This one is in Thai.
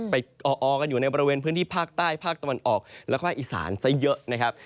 ออกันอยู่ในบริเวณพื้นที่ภาคใต้ภาคตะวันออกแล้วก็อีสานซะเยอะนะครับ